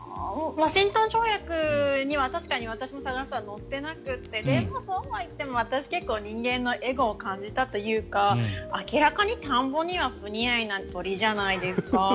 ワシントン条約には確かに私も探したら載っていなくてでも、そうはいっても私、人間のエゴを感じたというか明らかに田んぼには不似合いな鳥じゃないですか。